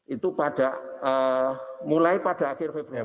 itu pada mulai pada akhir februari